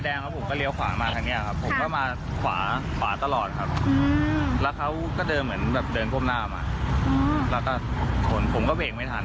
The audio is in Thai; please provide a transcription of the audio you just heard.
ติดไปแดงและผมก็เลี้ยวขวามาทางนี้ครับผมก็มาขวาตลอดครับและเขาก็เดินเหมือนเดินก้มหน้ามาอ่ะแล้วผมก็เบกไม่ทัน